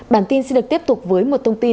bản tin sẽ được tiếp tục với một thông tin